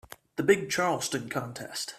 The big Charleston contest.